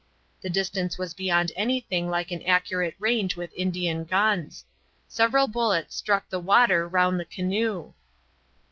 The distance was beyond anything like an accurate range with Indian guns. Several bullets struck the water round the canoe.